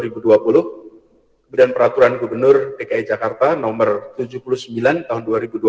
kemudian peraturan gubernur dki jakarta nomor tujuh puluh sembilan tahun dua ribu dua puluh